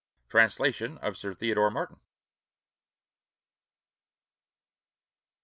Translation of Sir Theodore Martin.